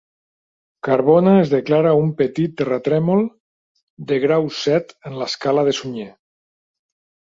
Carbona es declara un petit terratrèmol de grau set en l'escala de Sunyer.